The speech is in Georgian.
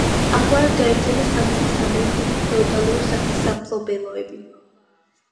ამგვარად გაერთიანდა სამცხის ამ ორი დიდი ფეოდალური სახლის სამფლობელოები.